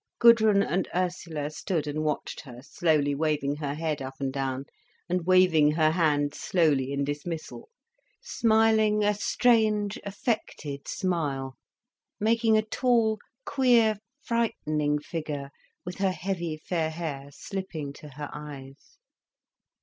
Gudrun and Ursula stood and watched her slowly waving her head up and down, and waving her hand slowly in dismissal, smiling a strange affected smile, making a tall queer, frightening figure, with her heavy fair hair slipping to her eyes.